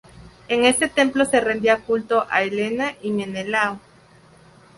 En este templo se rendía culto a Helena y Menelao.